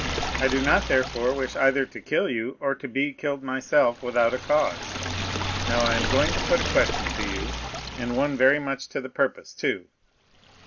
I do not therefore wish either to kill you, or to be killed myself without a cause. Now, I am going to put a question to you, and one very much to the purpose too.